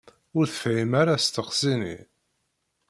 Ur tefhim ara asteqsi-nni.